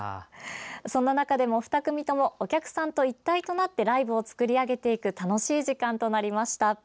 そんな中でも、２組ともお客さんと一体となってライブを作り上げていく楽しい時間となりました。